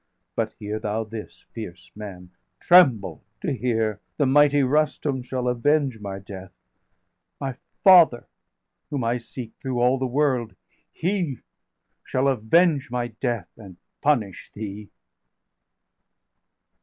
But hear thou this, fierce man, tremble to hear The mighty Rustum shall avenge my death! My father, whom I seek through all the world, He shall avenge my death, and punish thee!"